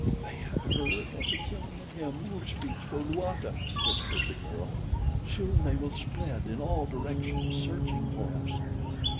"They have heard of the killing of Him Who Speaks for Luata," whispered the girl. "Soon they will spread in all directions searching for us."